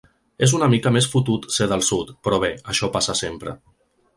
És una mica més fotut ser del sud, però, bé, això passa sempre.